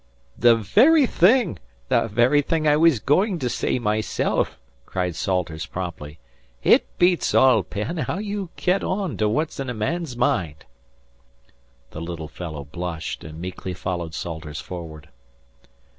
"The very thing the very thing I was goin' to say myself," cried Salters promptly. "It beats all, Penn, how ye git on to what's in a man's mind." The little fellow blushed and meekly followed Salters forward.